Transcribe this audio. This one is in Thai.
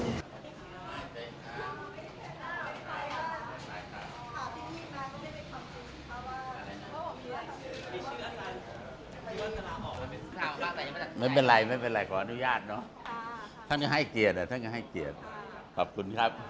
ท่านก็ให้เกียรติท่านก็ให้เกียรติ